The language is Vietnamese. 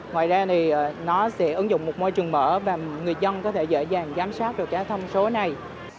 ngoài ra thì nó sẽ ứng dụng một môi trường mở và người dân có thể dễ dàng giám sát được các thông số này